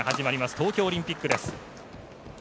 東京オリンピックです。